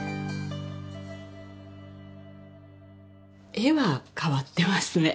絵は変わってますね。